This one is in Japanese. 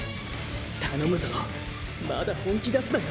頼むぞまだ本気出すなよ。